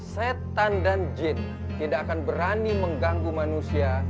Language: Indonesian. setan dan jin tidak akan berani mengganggu manusia